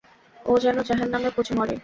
ও যেন জাহান্নামে পচে মরে।